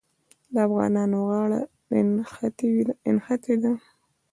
د افغانانو غاړه نښتې ده.